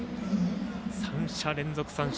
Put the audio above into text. ３者連続三振。